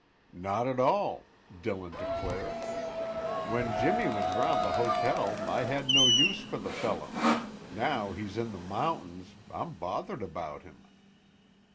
"Not at all," Dillon declared. "When Jimmy was around the hotel, I had no use for the fellow; now he's in the mountains, I'm bothered about him.